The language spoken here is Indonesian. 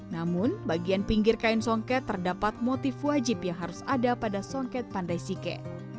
namun bagian pinggir kain songket terdapat motif wajib yang harus ada pada songket pandai sike